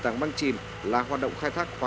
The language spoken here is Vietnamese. năm thứ tám